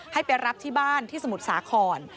ให้ไปรับที่บ้านที่สมุทรสาคร